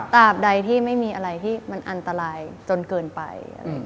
ตามใดที่ไม่มีอะไรที่มันอันตรายจนเกินไป